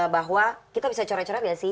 bahwa kita bisa corek corek ya sih